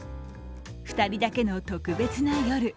２人だけの特別な夜。